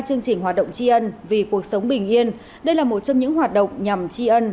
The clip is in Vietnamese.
chương trình hoạt động tri ân vì cuộc sống bình yên đây là một trong những hoạt động nhằm tri ân